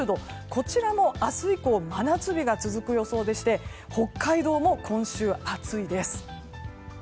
こちらも明日以降真夏日が続く予想でして北海道も今週暑いです。